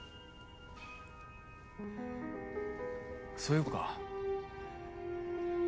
そういうことか。